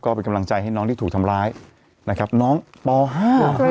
ก็เป็นกำลังใจให้น้องที่ถูกทำร้ายนะครับน้องปห้า